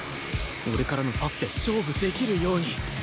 俺からのパスで勝負できるように